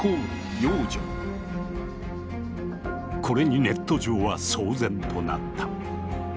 これにネット上は騒然となった。